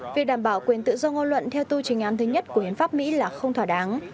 việc đảm bảo quyền tự do ngôn luận theo tu trình án thứ nhất của hiến pháp mỹ là không thỏa đáng